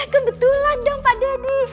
kebetulan dong pak deddy